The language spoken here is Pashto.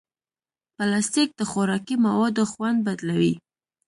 پلاستيک د خوراکي موادو خوند بدلوي.